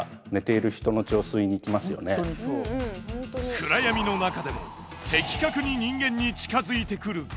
暗闇の中でも的確に人間に近づいてくる蚊。